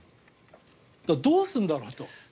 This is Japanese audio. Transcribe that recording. だから、どうするんだろうと。